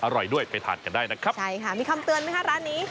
อร่อยด้วยไปทานกันได้นะครับใช่ค่ะมีคำเตือนไหมคะร้านนี้